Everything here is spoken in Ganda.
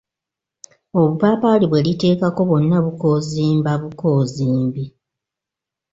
Obupaapali bweriteekako bwonna bukoozimba bukoozimbi.